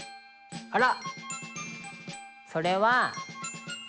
あら！